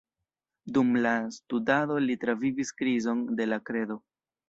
Dum la studado li travivis krizon de la kredo.